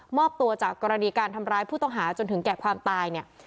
อบตัวจากกรณีการทำร้ายผู้ต้องหาจนถึงแก่ความตายเนี่ย